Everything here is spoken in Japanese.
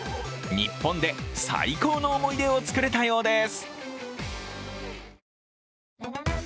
日本で最高の思い出を作れたようです。